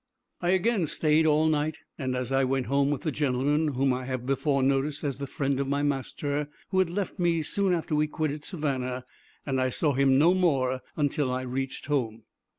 I again staid all night, as I went home, with the gentleman whom I have before noticed as the friend of my master, who had left me soon after we quitted Savannah, and I saw him no more until I reached home.